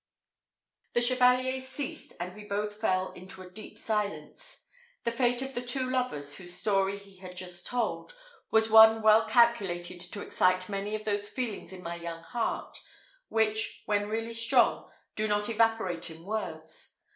The Chevalier ceased, and we both fell into a deep silence. The fate of the two lovers, whose story he had just told, was one well calculated to excite many of those feelings in my young heart, which, when really strong, do not evaporate in words.